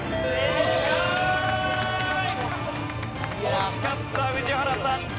惜しかった宇治原さん。